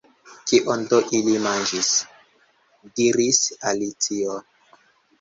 "Kion do ili manĝis?" diris Alicio.